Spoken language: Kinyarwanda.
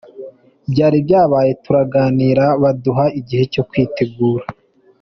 Byari byabaye turaganira baduha igihe cyo kwitegura.